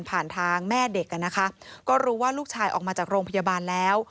ผ่านทางแม่เด็กก็รู้ว่าลูกชายออกมาจากโรงพยาบาลแล้ว